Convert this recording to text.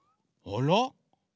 あら？